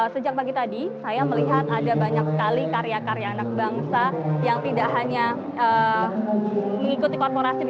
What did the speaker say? sejak pagi tadi saya melihat ada banyak sekali karya karya anak bangsa yang tidak hanya mengikuti korporasi